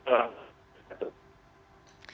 waalaikumsalam warahmatullahi wabarakatuh